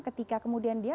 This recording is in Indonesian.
ketika kemudian dia